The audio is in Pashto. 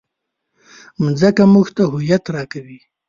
مځکه موږ ته هویت راکوي.